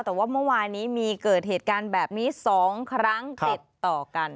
แต่ว่าเมื่อวานนี้มีเกิดเหตุการณ์แบบนี้๒ครั้งติดต่อกัน